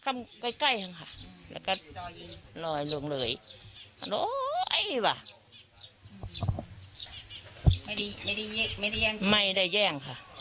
ไม่ได้แย่งค่ะ